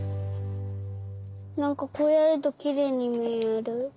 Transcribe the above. なんかこうやるときれいにみえる。